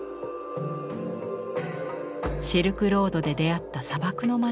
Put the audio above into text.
シルクロードで出会った砂漠の町でしょうか。